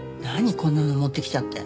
こんなの持ってきちゃって。